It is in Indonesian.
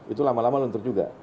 itu lama lama luntur juga